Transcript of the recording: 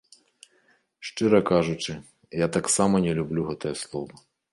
Шчыра кажучы, я таксама не люблю гэтае слова.